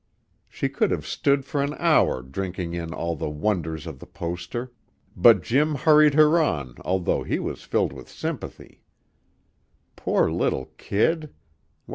She could have stood for an hour drinking in all the wonders of the poster, but Jim hurried her on although he was filled with sympathy. Poor little kid!